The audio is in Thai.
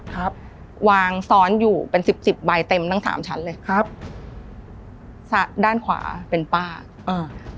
ครับวางซ้อนอยู่เป็นสิบสิบใบเต็มทั้งสามชั้นเลยครับสระด้านขวาเป็นป้าอ่า